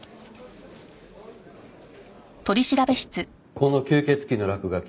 この吸血鬼の落書き